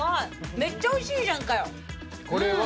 めっちゃおいしいじゃんかよ。